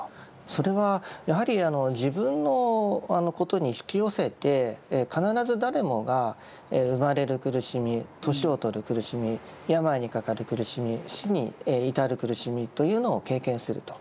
それはやはり自分のことに引き寄せて必ず誰もが生まれる苦しみ年を取る苦しみ病にかかる苦しみ死に至る苦しみというのを経験すると。